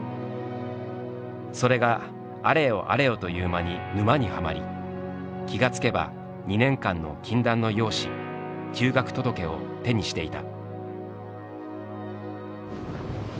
それがあれよあれよという間に沼にはまり気が付けば２年間の禁断の用紙休学届を手にしていた」。